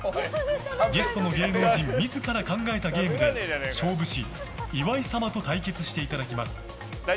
ゲストの芸能人自ら考えたゲームで勝負師、岩井様と対決していただきます。